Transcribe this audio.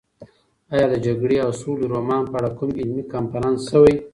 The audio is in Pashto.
ایا د جګړې او سولې رومان په اړه کوم علمي کنفرانس شوی؟